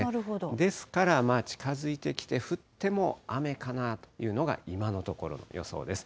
ですから近づいてきて降っても雨かなというのが今のところの予想です。